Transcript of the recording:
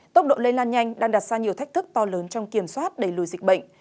tốc độ lây lan nhanh đang đặt ra nhiều thách thức to lớn trong kiểm soát đẩy lùi dịch bệnh